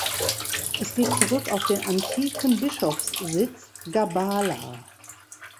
Es geht zurück auf den antiken Bischofssitz "Gabala".